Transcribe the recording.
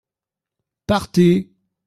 Partez !